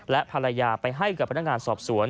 และภรรยาไปให้กับพนักงานสอบสวน